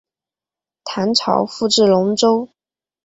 唐朝复置龙州。